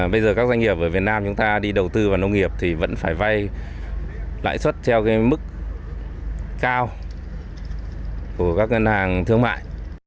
bây giờ các doanh nghiệp ở việt nam chúng ta đi đầu tư vào nông nghiệp thì vẫn phải vay lãi suất theo mức cao của các ngân hàng thương mại